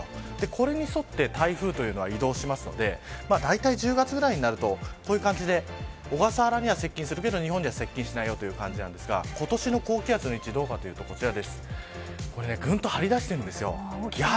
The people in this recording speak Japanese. これに沿って台風というのは移動しますのでだいたい１０月ぐらいになるとこういう感じで小笠原には接近するけど日本には接近しないという感じですが今年の高気圧の位置はどうかというとぐんと張りだしています。